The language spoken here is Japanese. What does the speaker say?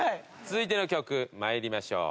続いての曲参りましょう。